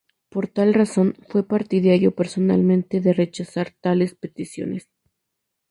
Por tal razón, fue partidario personalmente de rechazar tales peticiones.